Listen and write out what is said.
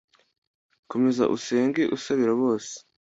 komeza usenge usabire bose